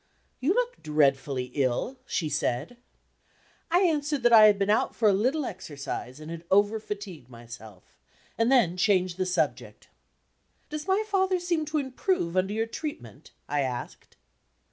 "You look dreadfully ill," she said. I answered that I had been out for a little exercise, and had over fatigued myself; and then changed the subject. "Does my father seem to improve under your treatment?" I asked.